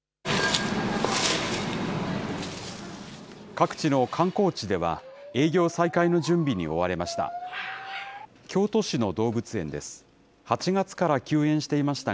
各地の観光地では、営業再開の準備に追われました。